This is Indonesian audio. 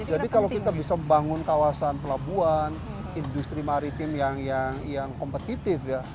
jadi kalau kita bisa membangun kawasan pelabuhan industri maritim yang kompetitif ya